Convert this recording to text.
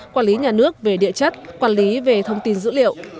quản lý nhà nước về địa chất quản lý về thông tin dữ liệu